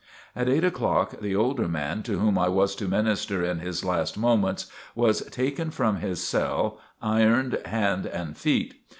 At eight o'clock, the older man, to whom I was to minister in his last moments, was taken from his cell, ironed hand and feet.